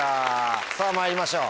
さぁまいりましょう。